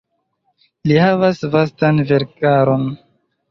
Li havas vastan verkaron.